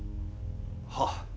はっ。